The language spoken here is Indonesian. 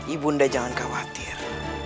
ibunda jangan khawatir